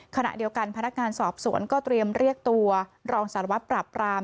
ขณะเดียวกันพนักงานสอบสวนก็เตรียมเรียกตัวรองสารวัตรปราบราม